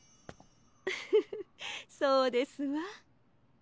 ウフフそうですわ。